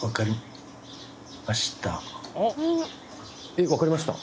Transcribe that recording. えっ分かりました？